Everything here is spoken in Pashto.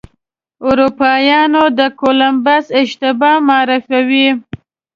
اروپایان د کولمبس اشتباه معافوي.